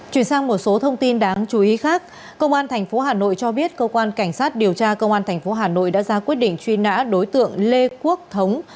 chuyển sang một số thông tin đáng chú ý khác công an tp hà nội cho biết cơ quan cảnh sát điều tra công an tp hà nội đã ra quyết định truy nã đối tượng lê quốc thống